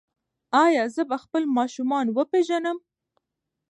ایا زه به خپل ماشومان وپیژنم؟